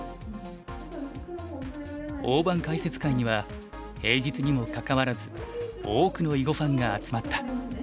大盤解説会には平日にもかかわらず多くの囲碁ファンが集まった。